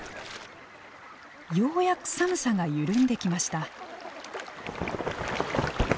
ようやく寒さが緩んできました。